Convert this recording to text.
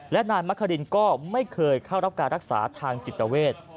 และนายมะครินก็ไม่เคยเข้ารับการรักษาทางจิตเวท